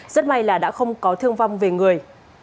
rất may là đã không có thương vong về người